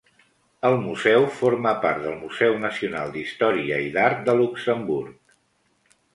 El museu forma part del Museu Nacional d'Història i d'Art de Luxemburg.